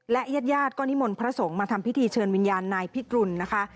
และญาติญาติก็นิมนต์พระสงฆ์มาทำพิธีเชิญวิญญาณนายพิกรุณนะคะ